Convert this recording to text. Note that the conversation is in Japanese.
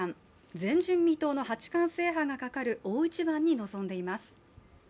前人未到の八冠制覇がかかる大一番に臨んでいます。